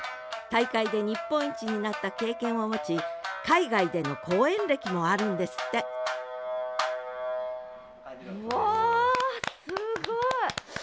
大会で日本一になった経験を持ち海外での公演歴もあるんですってありがとうございます。